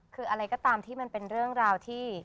คืออะไรก็ตามที่มันเป็นเรื่องราวที่